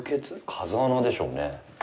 風穴でしょうね。